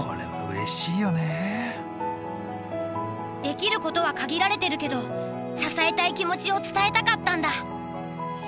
できることは限られてるけど支えたい気持ちを伝えたかったんだ。